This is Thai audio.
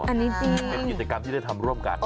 เป็นกิจกรรมที่ได้ทำร่วมกัน